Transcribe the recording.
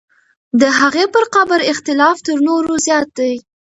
د هغې پر قبر اختلاف تر نورو زیات دی.